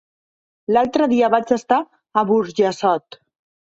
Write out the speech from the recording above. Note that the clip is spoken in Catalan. L'altre dia vaig estar a Burjassot.